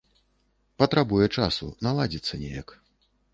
Патрабуе часу, наладзіцца неяк.